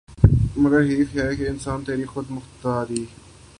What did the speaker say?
مگر حیف ہے اے انسان تیری خود مختاری